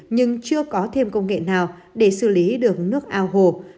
nhưng chưa có thêm công nghệ nào để xử lý được nước ao hồ